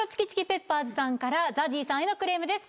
ペッパーズさんからＺＡＺＹさんへのクレームです。